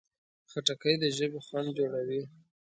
خټکی د ژبې خوند جوړوي.